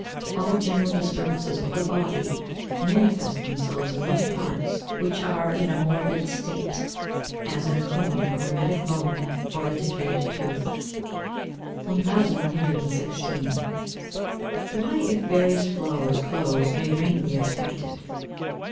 All general disturbances of the body, manifest themselves in those parts which are in a morbid state as in a corn, a rheumatic bone, or a decayed tooth. 1116. _Why if various flowers close may rain be expected?